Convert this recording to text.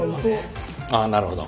ああなるほど。